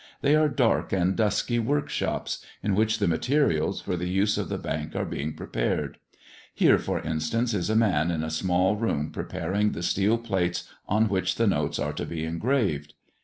They are dark and dusky workshops, in which the materials for the use of the Bank are being prepared. Here, for instance, is a man in a small room preparing the steel plates on which the notes are to be engraved.